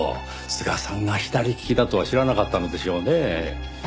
須賀さんが左利きだとは知らなかったのでしょうねぇ。